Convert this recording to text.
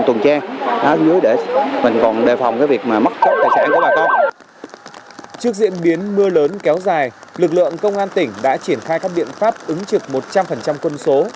trước diễn biến mưa lớn kéo dài lực lượng công an tỉnh đã triển khai các biện pháp ứng trực một trăm linh quân số